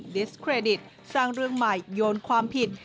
ดิสเครดิตสร้างเรื่องใหม่โยนความผิด